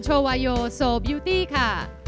โชวายโยโซ่บิวตี้ค่ะ